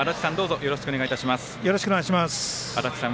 よろしくお願いします。